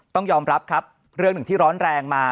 ต้องยอมรับครับเรื่องหนึ่งที่ร้อนแรงมา